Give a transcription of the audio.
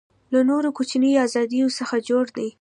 له نورو کوچنیو آزادیو څخه جوړ دی.